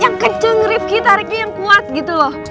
yang kenceng rifki tariknya yang kuat gitu loh